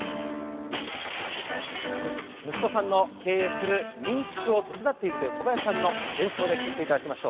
息子さんの経営する民宿を手伝っているという小林さんの演奏でお聴きしていただきます。